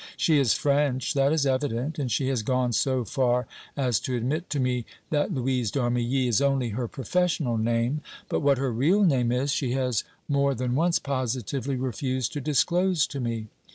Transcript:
She is French, that is evident, and she has gone so far as to admit to me that Louise d' Armilly is only her professional name, but what her real name is she has more than once positively refused to disclose to me.